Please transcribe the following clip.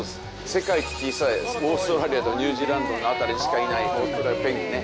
世界一小さいオーストラリアとニュージーランドの辺りにしかいないオーストラリアペンギンね。